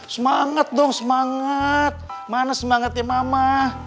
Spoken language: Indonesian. semangat dong semangat mana semangatnya mama